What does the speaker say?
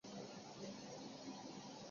此派得名于他们使用的辩论技巧。